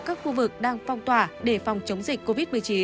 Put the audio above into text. các khu vực đang phong tỏa để phòng chống dịch covid một mươi chín